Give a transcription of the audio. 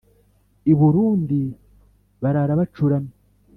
I Burundi baraara bacuramye